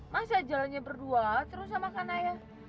masa jalannya berdua seru sama kanaya